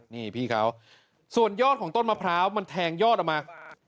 นี่พี่เขาส่วนยอดของต้นมะพร้าวมันแทงยอดออกมา